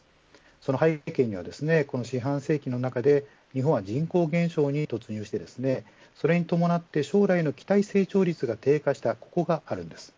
その背景にはこの４半世紀の中で日本は人口減少に突入してそれに伴って将来の期待成長率が低下したここがあります。